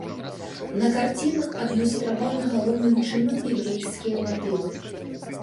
На карцінах адлюстраваны галоўным чынам біблейскія матывы.